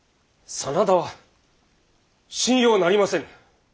真田は信用なりませぬ。